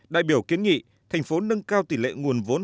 đại biểu kiến nghị thành phố nâng cao tỷ lệ nguồn vốn